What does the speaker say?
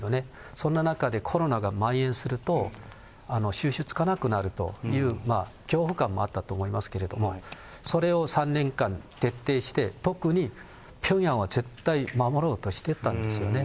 そんな中でコロナがまん延すると、収拾つかなくなるという恐怖感もあったと思いますけれども、それを３年間徹底して、特にピョンヤンは絶対守ろうとしてたんですよね。